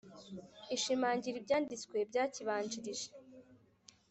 ishimangira ibyanditswe byakibanjirije